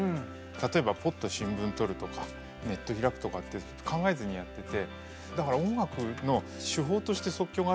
例えばポッと新聞取るとかネット開くとかって考えずにやってて。